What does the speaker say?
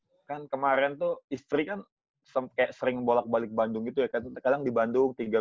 berkan kemarin tuh istri n microphone sering bolak balik bandung itu tabutkan dibantu tiga